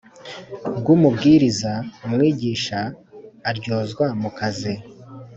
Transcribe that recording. bw umubwiriza umwigisha aryozwa mu kazi